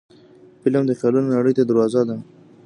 فلم د خیالونو نړۍ ته دروازه ده